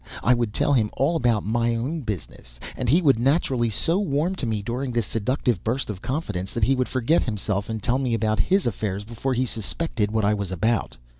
I would tell him all about my own business, and he would naturally so warm to me during this seductive burst of confidence that he would forget himself, and tell me all about his affairs before he suspected what I was about.